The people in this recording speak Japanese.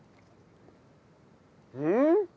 うん？